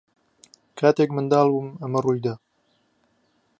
کاتێک منداڵ بووم ئەمە ڕووی دا.